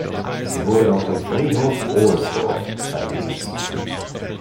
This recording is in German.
Sie wurde auf dem Friedhof Ohlsdorf beigesetzt.